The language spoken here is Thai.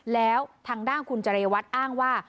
แล้วทางด้านคุณเจรวัตรอ้างว่า